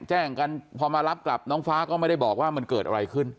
แจ้งกันพอมารับกลับน้องฟ้าก็ไม่ได้บอกว่ามันเกิดอะไรขึ้น